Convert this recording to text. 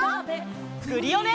クリオネ！